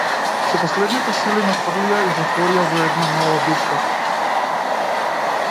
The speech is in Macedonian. Со последните сили ме фрлија и затворија во една мала дупка.